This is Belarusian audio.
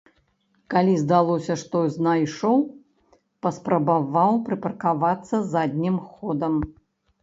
Калі здалося, што знайшоў, паспрабаваў прыпаркавацца заднім ходам.